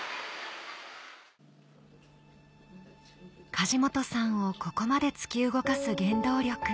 梶本さんをここまで突き動かす原動力